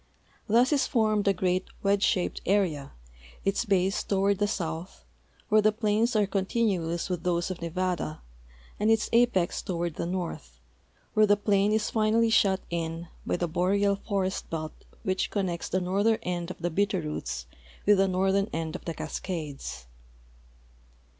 Thus is formed a great wedge shaped area, its base toward the south, where the plains are continuous with those of Nevada, and its apex toward the north, where the plain is finall}' shut in by the boreal forest belt which connects the northern end of the Bitterroots with the northern end of the Cascades.